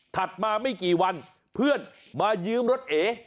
มาไม่กี่วันเพื่อนมายืมรถเอ